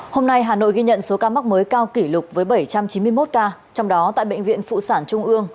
hôm nay hà nội ghi nhận số ca mắc mới cao kỷ lục với bảy trăm chín mươi một ca trong đó tại bệnh viện phụ sản trung ương